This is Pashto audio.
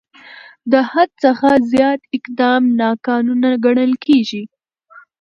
د حد څخه زیات اقدام ناقانونه ګڼل کېږي.